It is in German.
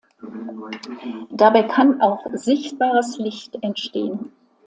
Dabei kann auch sichtbares Licht entstehen.